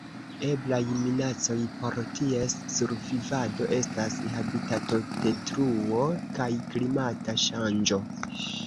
Eblaj minacoj por ties survivado estas habitatodetruo kaj klimata ŝanĝo.